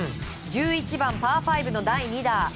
１１番、パー５の第２打。